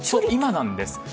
今なんです。